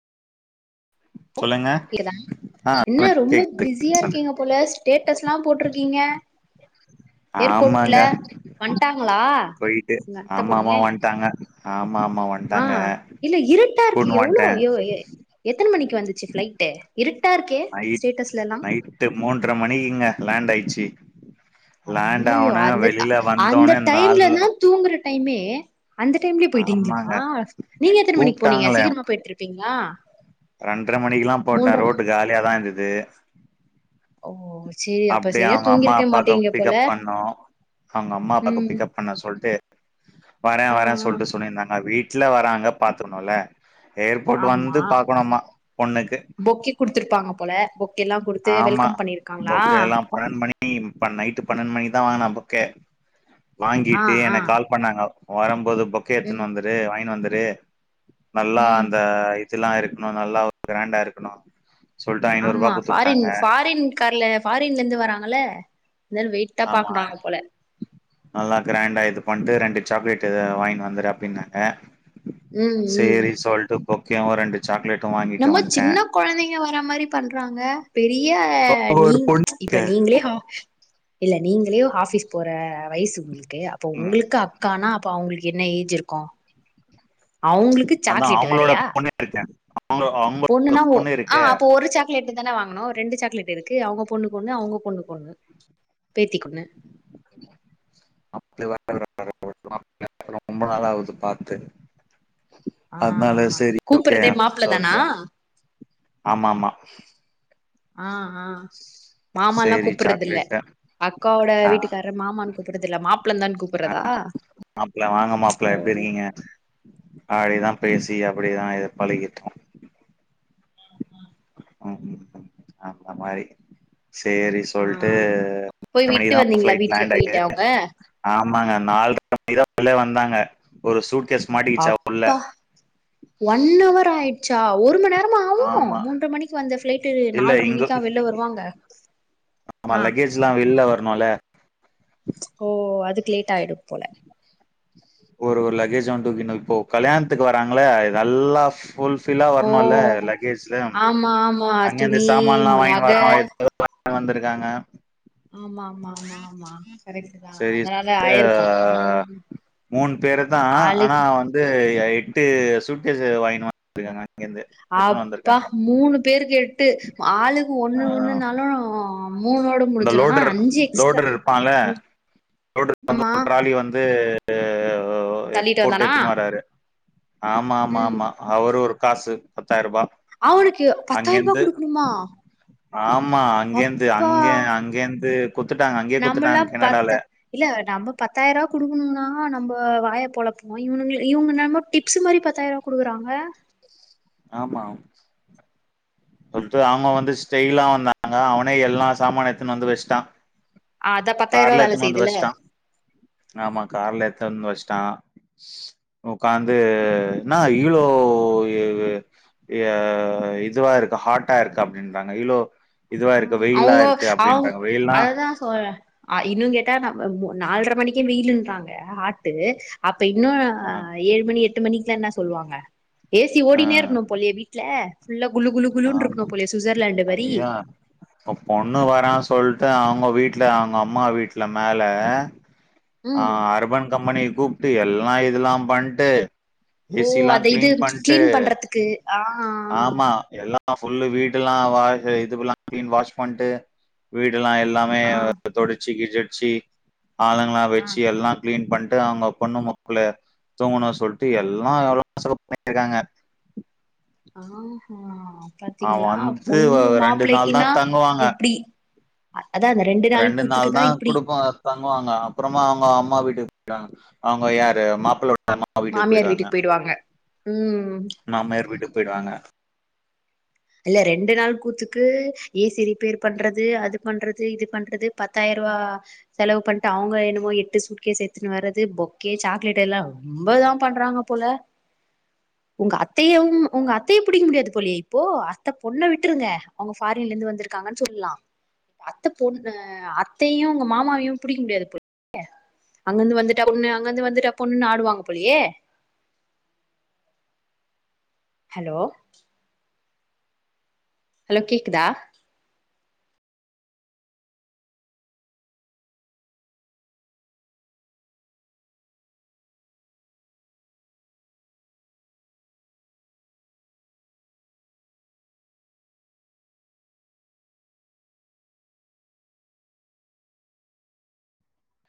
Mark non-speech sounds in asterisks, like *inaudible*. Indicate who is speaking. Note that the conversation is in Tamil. Speaker 1: ஓ
Speaker 2: சொல்லுங்க ஆ
Speaker 1: என்ன
Speaker 2: கேக்
Speaker 1: ரொம்ப பிஸியா இருக்கீங்க போல ஸ்டேட்டஸ்லா போட்டிருக்கீங்க
Speaker 2: ஆமாங்க
Speaker 1: வந்ட்டாங்களா
Speaker 2: போயிட்டு
Speaker 1: உங்க அத்த
Speaker 2: ஆமா மா
Speaker 1: பொண்ணு
Speaker 2: வன்ட்டாங்க ஆமா ஆமா
Speaker 1: ஆ
Speaker 2: வன்ட்டாங்க
Speaker 1: இல்ல இருட்டாருக்கு எவ்வளோ யோய எத்தன மணிக்கு வந்துச்சு ஃபிளைட்டு இருட்டா இருக்கே ஸ்டேட் ஸ்லலா
Speaker 2: எட்டு மூன்ற மணிக்குங்க லேண்ட் ஆயிடுச்சு
Speaker 1: ஐய்யய்யோ அந்த அந்த
Speaker 2: வந்தோனே நால்
Speaker 1: டைம்லனா தூங்குற டைமே அந்த டைம்லே
Speaker 2: ஆமாங்க
Speaker 1: போயிட்டீங்களா நீங்க எத்தன மணிக்கு போனீங்க சீக்கிரமா போய்ர்ந்திருப் பீங்ளா
Speaker 2: ரெண்டர மணிக்குலா போட்டே ரோட்டு காலியாதா இருந்தது
Speaker 1: ஓ செரி
Speaker 2: அப்டிய அவங்க அம்மா அப்பாக்கு பிக்கப் பண்ணோ அவங்க அம்மா அப்பாக்கு
Speaker 1: ம்
Speaker 2: பிக்கப் பண்ண சொல்ட்டு வர
Speaker 1: ஆ
Speaker 2: வரே
Speaker 1: ஆ
Speaker 2: சொல்ட்டு சொல்லிருந்தாங்க வீட்டுல வராங்க பாத்துக்கணும்ல ஏர்போர்ட் வந்து
Speaker 1: ஆமா
Speaker 2: பாக்கணுமா பொண்ணுக்கு
Speaker 1: பொக்கே குடுத்துருப்பாங்க போல பொககேலா குடுத்து
Speaker 2: ஆமா
Speaker 1: வெல்கம் பன்னீர்காங்களா
Speaker 2: பொக்கே
Speaker 1: பண்ணியிருக்காங்களா
Speaker 2: எல்லா பன்னெண்டு மணி நைட்டு பன்னெண்டு மணி தா வாங்கின போக்கே
Speaker 1: ஆ
Speaker 2: வாங்கிட்டு
Speaker 1: ஆ
Speaker 2: என கால் பண்ணாங்க வரும்போது பொக்கே எத்துன்னு
Speaker 1: ம்
Speaker 2: வந்துரு வாங்கனு வந்துரு நல்லா
Speaker 1: ம்
Speaker 2: அந்த துலா இருக்கணு நல்லா கிராண்டா இருக்கணு சொல்ட்டு ஐநூறு ரூபா கு குட்த்துட்
Speaker 1: ரின் ஃபாரின் கார்ல ஃபாரின்லந்து வராங்கள இத வெய்
Speaker 2: ஆமா நல்லா கிராண்டா இது பண்ணிட்டு ரெண்டு சாக்லேட் இத வாங்கனு வந்துரு அப்டின்னாங்க
Speaker 1: ம் ம்
Speaker 2: சேரி சொல்லிட்டு பொக்கேயு ரெண்டு சாக்லேட்டு வாங்கிட்டு வன்ட்டே
Speaker 1: குழந்தைங்க வர மாரி பன்றாங்க பெரிய
Speaker 2: ஒரு
Speaker 1: நீங்
Speaker 2: பொண்ணு
Speaker 1: இப்ப
Speaker 2: இருக்கே
Speaker 1: நீங்களே ஹா இல்ல நீங்களே ஆஃபீஸ் போற வயசு உங்களுக்கு அப்போ
Speaker 2: ம்
Speaker 1: உங்களுக்கப் இக்கானா அப்ப அவங்களுக்கு என்ன ஏஜ் இருக்கு அவங்களுக்கு
Speaker 2: அதா
Speaker 1: சாக்லேட்
Speaker 2: அவங்களோட
Speaker 1: வேறையா
Speaker 2: பொண்ணு இருக்கே அவங்க அவங்களோட
Speaker 1: பொண்ணுன்னா ஓ
Speaker 2: பொண்ணு
Speaker 1: ஆ
Speaker 2: இருக்கே
Speaker 1: அப்ப ஒரு சாக் சாக்லேட்டு தானே வாங்கணு ரெண்டு சாக்லேட் இருக்கு அவங்க பொண்ணுக்கொன்னு அவங்க பொண்ணுக்கொன்னு பேத்திக்கொண்ணு
Speaker 2: அப்ப *inaudible* னு ரொம்ப நாள் ஆவு பாத்து
Speaker 1: ஆ
Speaker 2: அத்னால சரி ஓகே
Speaker 1: கூப்புறதே மாப்ள தானா
Speaker 2: சொல்ட்டு ஆமா மா
Speaker 1: ஆ ஆ மாமல்லா
Speaker 2: சேரி
Speaker 1: கூப்பிற்றது இல்ல
Speaker 2: சாக்லேட்டு
Speaker 1: அக்காவோட வீட்டுக்கார்ர மாமான் கூப்பர்ரதுலமாப்
Speaker 2: ஆ மாப்பிள வாங்க
Speaker 1: ஓ
Speaker 2: மாப்பிள எப்படி இருக்கீங்க அடேதா பேசி அப்டேதா இத பழகிர்கோ உ உ அந்த மாரி சேரி
Speaker 1: ஆ
Speaker 2: சொல்ட்டு
Speaker 1: போய்
Speaker 2: பத்து
Speaker 1: விட்டு
Speaker 2: மணிக்தா
Speaker 1: வந்தீங்களா
Speaker 2: பிளைட்
Speaker 1: வீட்ல
Speaker 2: லேண்ட் ஆய்ட்டு
Speaker 1: போயிட்டு அவங்க
Speaker 2: ஆமாங்க நாலு மணிக்கு உள்ளே வந்தாங்க ஒரு சூட் கேஸ் மாட்டி கீச்சா உள்ள
Speaker 1: அப்பா ஒன் அவர் ஆயிடுச்சா ஒரு மண் நேர் மா ஆவு
Speaker 2: ஆமா
Speaker 1: மூன்ற மணிக்கு வந்த பிளைட்டு
Speaker 2: இல்ல
Speaker 1: நால்ர
Speaker 2: இங்க
Speaker 1: மணிக்கா வெளில வருவாங்க ஆ
Speaker 2: லா வெள்ல வரணுல
Speaker 1: ஓ அதுக்கு லேட் ஆயிடு போல
Speaker 2: ஒரு ஒரு லகேஜ் வந்து தூக்கினு இப்போ கல்யாணத்துக்கு வராங்களே இதெல்லாஃப் ஃபுல் ஃபில்லா
Speaker 1: ஓ
Speaker 2: வரணுல்ல லக்கேஜ்ல
Speaker 1: ஆமா ஆமா
Speaker 2: அங்கேந் கு
Speaker 1: துணி
Speaker 2: சாமான்லா வாங்கினு
Speaker 1: நக
Speaker 2: வரணு *inaudible* வந்திருக்காங்க
Speaker 1: ஆமா ஆமா ஆமா ஆமா கரெக்ட்டுதா
Speaker 2: சரி
Speaker 1: அதா அதா
Speaker 2: ஆ
Speaker 1: ஆயிருக்கு, ம்
Speaker 2: மூணு பேருதா
Speaker 1: ஆளுக்கு
Speaker 2: ஆனா வந்து எட்டு சூட்கேஸ் வாங்கினு வந் துருக்காங்க அங்கேந்து
Speaker 1: அப்பா மூணு பேருக்கு எட்டு ஆளுக்கு ஒண்ணு
Speaker 2: ஆ
Speaker 1: ஒண்ணுனாலு மூணோட
Speaker 2: இந்த
Speaker 1: முடிஞ்சிருனா
Speaker 2: லோடர்
Speaker 1: அஞ்சு எக்ஸ்ட்ரா
Speaker 2: லோடர் இருப்பான்ல லோடரு வந்து
Speaker 1: ஆமா
Speaker 2: ஒரு ட்ராலி வந்து அ எடுத்
Speaker 1: தள்ளிட்டு
Speaker 2: போட்டு
Speaker 1: வந்தானா
Speaker 2: எடுத்துன்னு வராாரு ஆமா ஆமா
Speaker 1: ம்
Speaker 2: ஆமா அவரு ஒரு காசு பத்தாயிரூபா
Speaker 1: அவனுக்கு பத்தாயிர ரூபா
Speaker 2: அங்கேந்து
Speaker 1: குடுக்கணுமா
Speaker 2: ஆமா அங்கேந்து
Speaker 1: அப்பா
Speaker 2: அங்க அங்கேந்து குத்துட்டாங்க அங்கயே
Speaker 1: நம்மல்லா
Speaker 2: குத்துட்டாங்க கனடால
Speaker 1: பத்த இல்ல நம்ப பத்தாயிர ரூவா குடுக்கணுனா நம்ப வாய பொழப்போ இவனுங்க இவங்க என்னமோ டிப்ஸ் மாரி பத்தாயிர குடுக்குறாங்க
Speaker 2: ஆமா சொல்ட்டு அவங்க வந்து ஸ்டெயிலா வந்தாங்க அவனே எல்லா சாமான் எடுத்துன்னு வந்து வச்சிட்டா
Speaker 1: அதா பத்தாயிர ரூபா
Speaker 2: கார்ல
Speaker 1: வேல
Speaker 2: எடுத்துன்னு
Speaker 1: செய்யுதுல
Speaker 2: வந்து வச்சிட்டா, ஆமா கார்ல எடுத்தாந்து வச்சிட்டா உக்காந்து என்னா இவ்ளோ எ இதுவா இருக்கு ஹாட்டா இருக்கு அப்டின்றாங்க இவ்ளோ
Speaker 1: ஆ அவங்க அவங்
Speaker 2: வெயில்னா
Speaker 1: அததா சொல்ற அ இன்னு கேட்டா நம்ம நால்ட்ர மணிக்கே வெயிலுன்றாங்க ஹாட்டு அப்ப இன்னு
Speaker 2: ஆ
Speaker 1: ஏழு மணி எட்டு மணிக்குல என்னா சொல்லுவாங்க ஏ சி
Speaker 2: ஆ
Speaker 1: ஓடினே இருக்கணு போலயே வீட்ல ஃபுல்ல குளு குளு குளுனு இருக்கணு
Speaker 2: ஆமா
Speaker 1: போலயே சுவிட்சர்லாந்து மாரி
Speaker 2: ஐயா இப்ப பொண்ணு வரா சொல்ட்டு அவங்க வீட்ல அவங்க அம்மா வீட்ல மேல ஆ
Speaker 1: ம்
Speaker 2: அர்பன் கம்பெனி கூப்ட்டு எல்லா இதெல்லா பண்ட்டு ஏ
Speaker 1: ஓ
Speaker 2: சிலா
Speaker 1: அத இது
Speaker 2: கிளீன் பண்ட்டு
Speaker 1: கிளீன் பண்றதுக்கு ஆ
Speaker 2: ஆமா எல்லா ஃபுல்லு வீட்டுலா வா இதுலா கிளீன் வாஷ் பண்ட்டு வீட்டுலா எல்லா
Speaker 1: ஆ
Speaker 2: செமயா தொடச்சு கிடச்சு ஆளுங்கள்லா
Speaker 1: ஆ
Speaker 2: வச்சு எல்லா கிளீன் பண்ட்டு அவங்க பொண்ணு மாப்பிள தூங்கணு சொல்ட்டு எல்லா எவ்ளோ செலவு பண்ணிட்டுருக்காங்க
Speaker 1: ஆஹ
Speaker 2: அவ
Speaker 1: பாத்தீங்களா
Speaker 2: வந்து
Speaker 1: பொண்ணு
Speaker 2: வ- ரெண்டு நாள் தா
Speaker 1: மாப்பிள்ளைக்கின்னா
Speaker 2: தங்குவாங்க
Speaker 1: இப்டி அதா அந்த ரெண்டு நாள் கூத்துக்குதா இப்டி
Speaker 2: தங்குவாங்க அப்பறமா அவங்க அம்மா வீட்டுக்கு போய்டுங்க அவங்க யாரு மாப்பிள்ள
Speaker 1: மாமியார் வீட்டுக்கு போய்டுவாங்க, ம்
Speaker 2: மாமியார் வீட்டுக்கு பேய்டுவாங்க
Speaker 1: இல்ல ரெண்டு நாள் கூத்துக்கு ஏசி ரிப்பேர் பண்றது அது பண்றது இது பண்றது பத்தாயிரூவா செலவு பண்ட்டு அவுங்க என்னமோ எட்டு சூட்கேஸ் எடுத்துன்னு வரது பொக்கே சாக்லேட் எல்லா ரொம்பதா பண்றாங்க போல ஒங்க அத்தையவு ஒங்க அத்தைய புடிக்க முடியாது போலியே இப்போ அத்த பொண்ண விட்டுருங்க அவுங்க ஃபாரின்லேந்து வந்துருக்காங்கன்னு சொல்லா அத்த பொண்ணு அத்தையு ஒங்க மாமாவையு புடிக்க முடியாது போலியே அங்கந்து வந்துட்டா பொண்ணு அங்கந்து வந்துட்டா பொண்ணுன்னு ஆடுவாங்க போலியே ஹலோ ஹலோ கேக்குதா